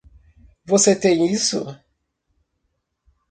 Você tem isso?